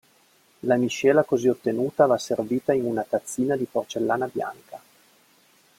La miscela così ottenuta va servita in una tazzina di porcellana bianca.